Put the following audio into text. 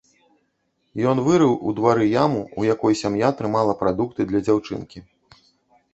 Ён вырыў у двары яму, у якой сям'я трымала прадукты для дзяўчынкі.